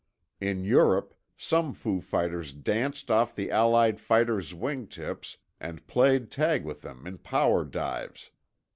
In Europe, some foo fighters danced just off the Allied fighters' wingtips and played tag with them in power dives.